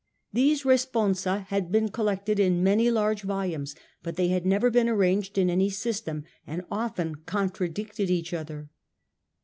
These responsa had been collected in many large volumes, but they had never been arranged on any system and often contradicted each other.